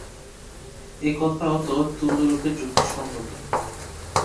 এ কথাও তো তুল্যরূপে যুক্তিসঙ্গত।